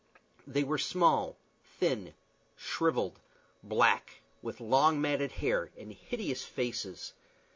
They were small, thin, shrivelled, black, with long matted hair and hideous faces.